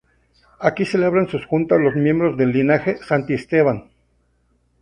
Aquí celebraban sus juntas los miembros del linaje Santisteban.